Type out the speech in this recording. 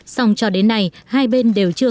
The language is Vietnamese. song cho đến nay hai bên đều chưa